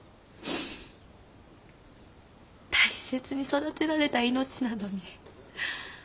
大切に育てられた命なのに。